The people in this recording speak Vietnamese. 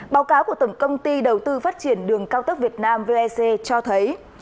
báo cáo của tổng công ty đầu tư phát triển đường cao tốc việt nam vec cho thấy